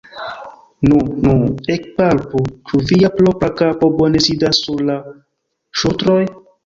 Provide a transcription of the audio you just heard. Nu, nu, ekpalpu, ĉu via propra kapo bone sidas sur la ŝultroj?